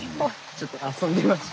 ちょっと遊んでました。